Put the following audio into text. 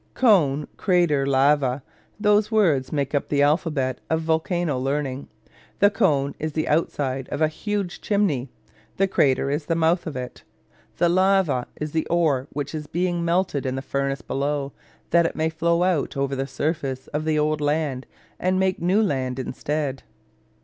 Cone, crater, lava: those words make up the alphabet of volcano learning. The cone is the outside of a huge chimney; the crater is the mouth of it. The lava is the ore which is being melted in the furnace below, that it may flow out over the surface of the old land, and make new land instead.